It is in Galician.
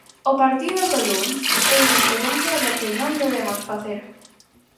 O partido do luns é a referencia do que non debemos facer.